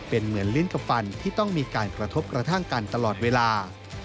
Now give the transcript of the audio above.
เป็นเหมือนลิ้นกับฟันที่ต้องมีการกระทบกระทั่งกันตลอดเวลา